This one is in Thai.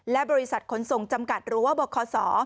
และบริษัทขนส่งจำกัดหรือว่าบคศ